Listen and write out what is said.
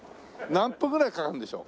何分ぐらいかかるんでしょう？